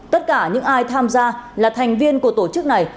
tất cả những ai tham gia là thành viên của tổ chức này